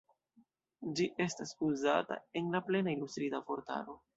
Ĝi estas uzata en la Plena Ilustrita Vortaro.